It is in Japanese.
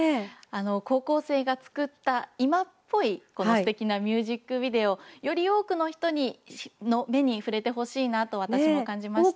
高校生が作った今っぽい、このすてきなミュージックビデオより多くの人の目に触れてほしいなと私も感じました。